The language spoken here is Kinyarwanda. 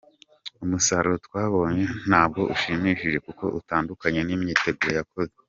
Umusaruro twabonye ntabwo ushimishije kuko utandukanye n’imyiteguro yakozwe.